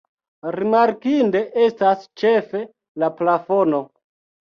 Rimarkinde estas ĉefe la plafono.